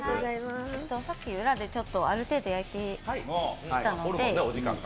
さっき裏である程度焼いてきたので。